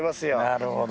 なるほど。